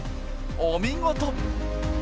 お見事！